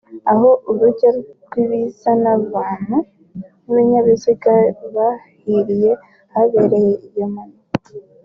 aho urujya n’uruza rw’abantu n’ibinyabiziga bahiriye ahabereye iyo mpanuka